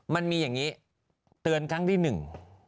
มันมีอย่างนี้เตือนครั้งที่หนึ่ง